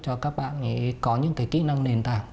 cho các bạn ấy có những cái kỹ năng nền tảng